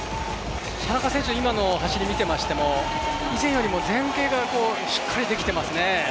田中選手、今の走りを見ていますと、以前よりも前傾がしっかりできていますね。